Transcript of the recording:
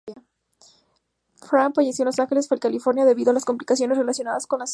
Frank falleció en Los Angeles, California, debido a complicaciones relacionadas con el sida.